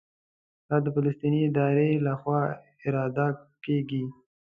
دا د فلسطیني ادارې لخوا اداره کېږي.